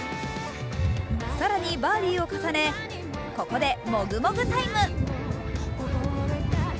更にバーディーを重ね、ここでもぐもぐタイム。